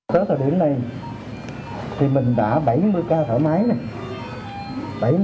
tới thời điểm này thì mình đã bảy mươi ca thở máy này